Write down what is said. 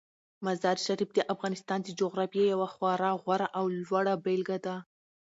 مزارشریف د افغانستان د جغرافیې یوه خورا غوره او لوړه بېلګه ده.